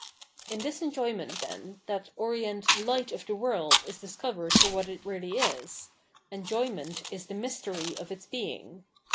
In this enjoyment, then, that orient " Light " of the world is discovered for what it really is : Enjoyment is the Mystery of its being.